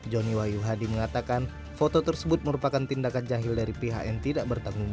gw yuhadi mengatakan foto tersebut merupakan tindakan jahil dari pihak yang tidak bertanggung